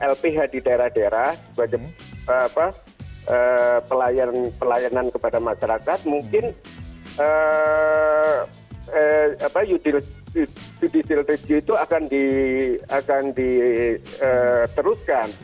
lph di daerah daerah sebagai pelayanan kepada masyarakat mungkin judicial review itu akan diteruskan